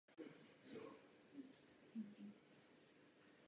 Od motivu znaku je odvozena také podoba městského praporu.